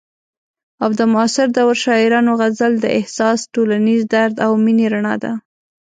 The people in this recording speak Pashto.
او د معاصر دور شاعرانو غزل د احساس، ټولنیز درد او مینې رڼا ده.